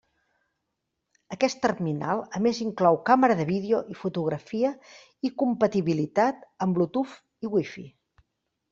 Aquest terminal a més inclou càmera de vídeo i fotografia i compatibilitat amb Bluetooth i Wifi.